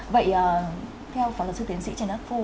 vậy theo pháp luật sư tiến sĩ trần ác phu